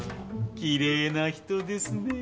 きれいな人ですねぇ。